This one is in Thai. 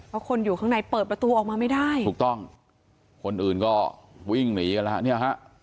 เพราะคนอยู่ข้างในเปิดประตูออกมาไม่ได้ถูกต้องคนอื่นก็วิ่งหนีกันแล้วเนี่ยฮะ